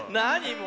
もう。